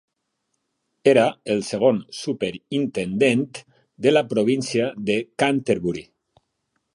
Era el segon Superintendent de la província de Canterbury.